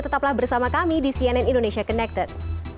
tetaplah bersama kami di cnn indonesia connected